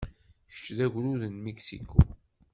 Kečč d agrud n Mexico?